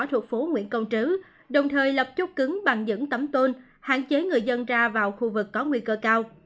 thuộc phố nguyễn công trứ đồng thời lập chốt cứng bằng những tấm tôn hạn chế người dân ra vào khu vực có nguy cơ cao